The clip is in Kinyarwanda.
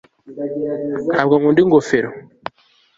ntabwo nkunda ingofero